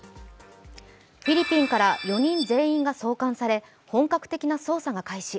フィリピンから４人全員が送還され本格的な捜査が開始。